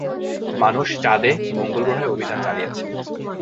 মানুষ চাঁদে, মঙ্গল গ্রহে অভিযান চালিয়েছে।